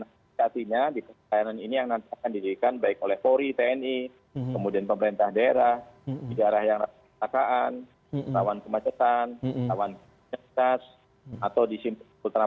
pengaturan kesehatannya di pelayanan ini yang nantinya akan dijadikan baik oleh polri tni kemudian pemerintah daerah di daerah yang ada perlaksanaan lawan kemacetan lawan penyekatan